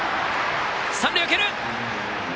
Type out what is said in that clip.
三塁を蹴る！